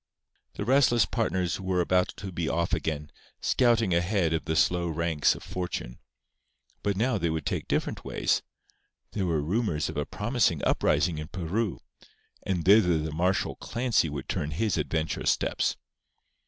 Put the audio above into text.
The restless partners were about to be off again, scouting ahead of the slow ranks of Fortune. But now they would take different ways. There were rumours of a promising uprising in Peru; and thither the martial Clancy would turn his adventurous steps.